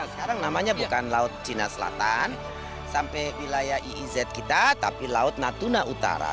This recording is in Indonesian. sekarang namanya bukan laut cina selatan sampai wilayah iiz kita tapi laut natuna utara